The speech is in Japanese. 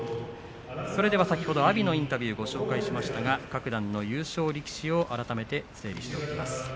先ほど阿炎のインタビューをご紹介しましたが各段の優勝力士を改めて整理しておきます。